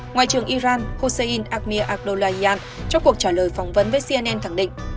ngoại trưởng iran hossein akhmir abdullahian trong cuộc trả lời phỏng vấn với cnn thẳng định